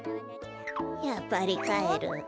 やっぱりかえる。